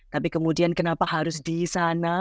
tapi kemudian kenapa harus di sana